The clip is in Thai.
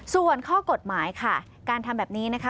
ส่วนข้อกฎหมายค่ะการทำแบบนี้นะคะ